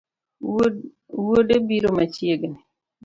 Wuode biro machiegni